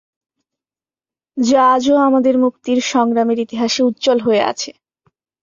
যা আজও আমাদের মুক্তির সংগ্রামের ইতিহাসে উজ্জ্বল হয়ে আছে।